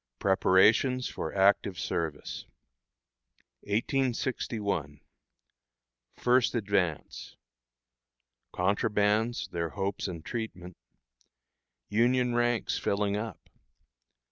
PREPARATIONS FOR ACTIVE SERVICE. 1861. First Advance. "Contrabands," their Hopes and Treatment. Union Ranks Filling Up.